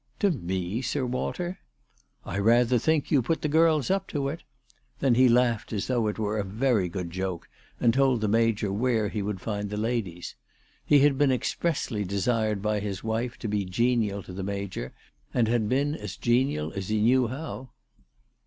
" To me, Sir Walter !"' I rather think you put the girls up to it." Then he laughed as though it were a very good joke and told the Major where he would find the ladies. He had been expressly desired by his wife to be genial to the Major, and had been as genial as he knew how.